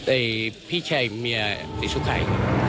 ไอ้พี่ชายเมียสุข่าย